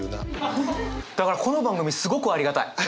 だからこの番組すごくありがたい。